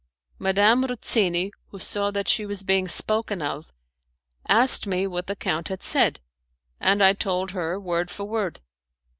Madame Ruzzini, who saw that she was being spoken of, asked me what the count had said, and I told her, word for word.